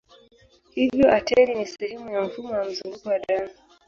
Hivyo ateri ni sehemu ya mfumo wa mzunguko wa damu.